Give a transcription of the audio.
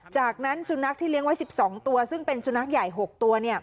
จากนั้นสุนัขที่เลี้ยงไว้๑๒ตัวซึ่งเป็นสุนัขใหญ่๖ตัวเนี่ย